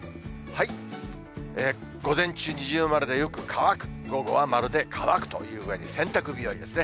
午前中二重丸でよく乾く、午後は丸で乾くという具合に、洗濯日和ですね。